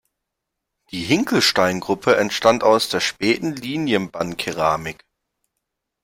Die Hinkelstein-Gruppe entstand aus der späten Linienbandkeramik.